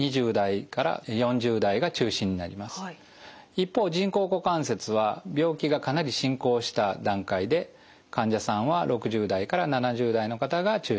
一方人工股関節は病気がかなり進行した段階で患者さんは６０代から７０代の方が中心となります。